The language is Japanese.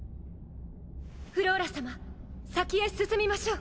フローラ様先へ進みましょう。